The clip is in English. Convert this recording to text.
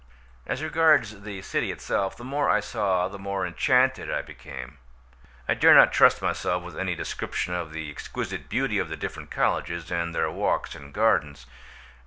As regards the city itself, the more I saw the more enchanted I became. I dare not trust myself with any description of the exquisite beauty of the different colleges, and their walks and gardens.